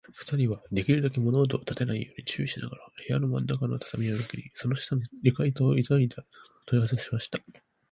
ふたりは、できるだけ物音をたてないように注意しながら、部屋のまんなかの畳をめくり、その下の床板ゆかいたをとりはずしました。